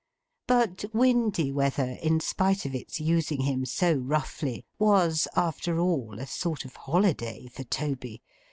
But, windy weather, in spite of its using him so roughly, was, after all, a sort of holiday for Toby.